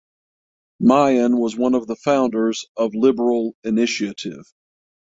Mayan was one of the founders of Liberal Initiative.